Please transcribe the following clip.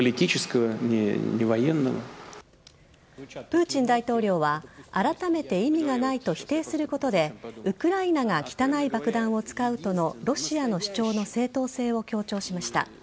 プーチン大統領はあらためて意味がないと否定することでウクライナが汚い爆弾を使うとのロシアの主張の正当性を強調しました。